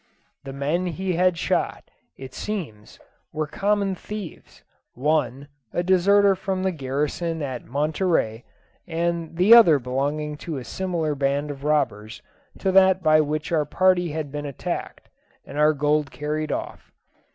The men he had shot, it seems, were common thieves one, a deserter from the garrison at Monterey, and the other belonging to a similar band of robbers to that by which our party had been attacked, and our gold carried off.